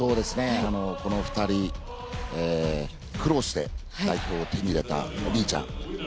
この２人苦労して代表を手に入れたお兄ちゃん